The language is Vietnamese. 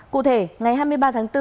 cụ thể ngày hai mươi ba tháng bốn